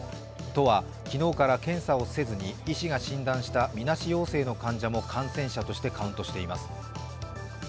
都は、昨日から検査をせずに医師が診断したみなし陽性の患者も感染者としてカウントしています。